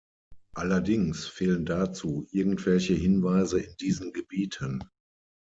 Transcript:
Allerdings fehlen dazu irgendwelche Hinweise in diesen Gebieten.